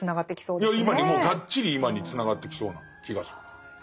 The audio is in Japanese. いや今にもがっちり今につながってきそうな気がする。